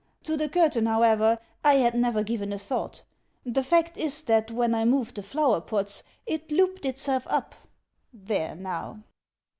To the curtain, however, I had never given a thought. The fact is that when I moved the flower pots, it LOOPED ITSELF up. There now!